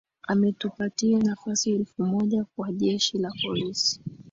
Ametupatia nafasi elfu moja kwa Jeshi la Polisi